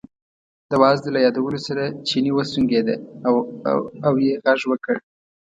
د وازدې له یادولو سره چیني وسونګېده او یې غږ وکړ.